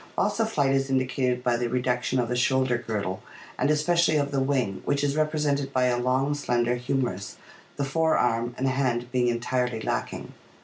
Loss of flight is indicated by the reduction of the shoulder girdle, and especially of the wing, which is represented by a long, slender humerus, the fore arm and hand being entirely lacking.